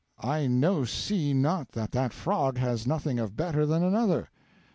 I no see not that that frog has nothing of better than another.'